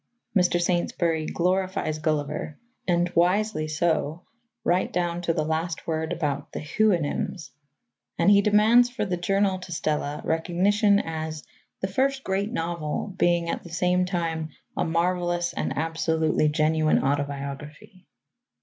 Mr. Saintsbury glorifies Gulliver, and wisely so, right down to the last word about the Houyhnhnms, and he demands for the Journal to Stella recognition as "the first great novel, being at the same time a marvellous and absolutely genuine autobiography."